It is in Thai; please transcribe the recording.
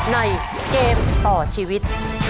ในเกมต่อชีวิต